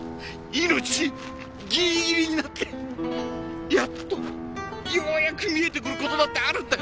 命ギリギリになってやっとようやく見えてくる事だってあるんだよ。